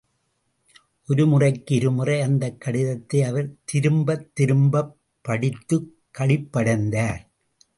ஒருமுறைக்கு இருமுறை அந்தக் கடிதத்தை அவர் திரும்பத் திரும்பப் படித்துக் களிப்படைந்தார்!